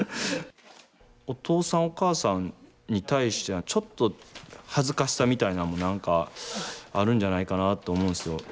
お父さんお母さんに対してはちょっと恥ずかしさみたいなんも何かあるんじゃないかなと思うんですよ。